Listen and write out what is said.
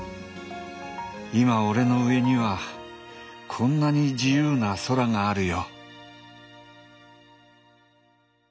今俺の上にはこんなに自由な空があるよ。